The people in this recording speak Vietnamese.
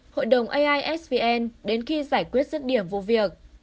hội đồng aisvn đến khi giải quyết rứt điểm vụ việc